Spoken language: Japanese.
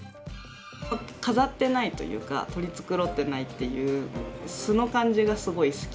飾ってないというか取り繕ってないっていう素の感じがすごい好きで。